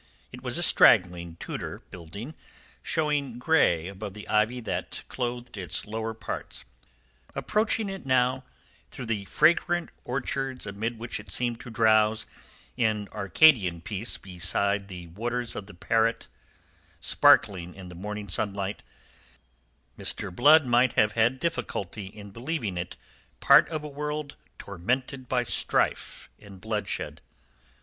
It was a straggling Tudor building showing grey above the ivy that clothed its lower parts. Approaching it now, through the fragrant orchards amid which it seemed to drowse in Arcadian peace beside the waters of the Parrett, sparkling in the morning sunlight, Mr. Blood might have had a difficulty in believing it part of a world tormented by strife and bloodshed.